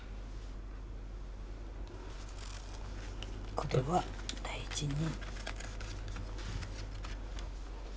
これは大事に。